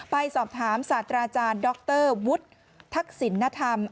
ไปสอบถามสาธาราจารย์ด๊อคเตอร์วุทธ์ทักศิลป์นธรรม